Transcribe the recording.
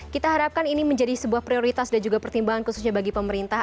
kita harapkan ini menjadi sebuah prioritas dan juga pertimbangan khususnya bagi pemerintah